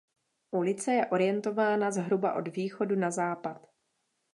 Ulice je orientována zhruba od východu na západ.